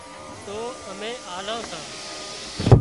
تو امين آلان سان